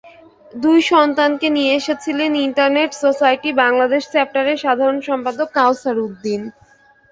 দুই সন্তানকে নিয়ে এসেছিলেন ইন্টারনেট সোসাইটি বাংলাদেশ চ্যাপটারের সাধারণ সম্পাদক কাওছার উদ্দিন।